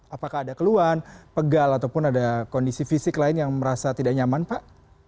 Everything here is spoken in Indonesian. apakah ada keluhan pegal ataupun ada kondisi fisik lain yang merasa tidak nyaman pak